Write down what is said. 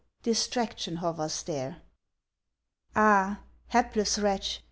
Distraction hovers there. Ah, hapless wretch!